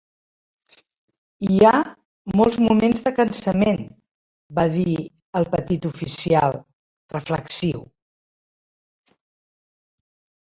"Hi ha molts moments de cansament", va dir el petit oficial, reflexiu.